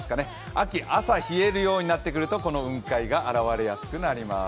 秋、朝が冷えるようになってくるとこの雲海が現れやすくなります。